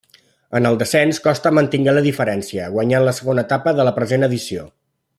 En el descens Costa mantingué la diferència, guanyant la segona etapa de la present edició.